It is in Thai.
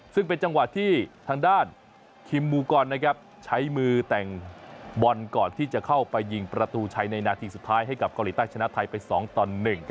ซึ่งเป็นจังหวะที่ทางด้านคิมมูกรใช้มือแต่งบอลก่อนที่จะเข้าไปยิงประตูชัยในนาทีสุดท้ายให้กับเกาหลีใต้ชนะไทยไป๒ต่อ๑